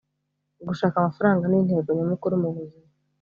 gushaka amafaranga nintego nyamukuru mubuzima